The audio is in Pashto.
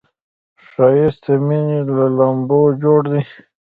ښایست د مینې له لمبو جوړ دی